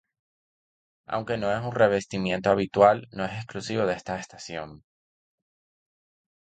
Aunque no es un revestimiento habitual no es exclusivo de esta estación.